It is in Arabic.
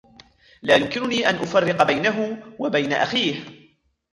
لا يمكنني أن أفرّق بينه وبين أخيه.